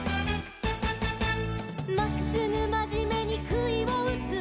「まっすぐまじめにくいをうつ」